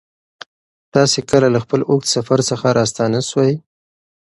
تاسې کله له خپل اوږد سفر څخه راستانه سوئ؟